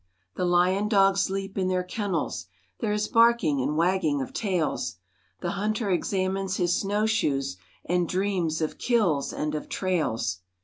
The lion dogs leap in their kennels, There is barking and wagging of tails, The hunter examines his snow shoes, And dreams of "kills" and of trails.